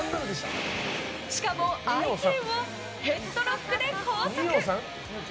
しかも愛犬をヘッドロックで拘束。